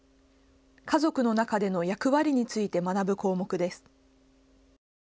家族の中での役割について学ぶ項目です。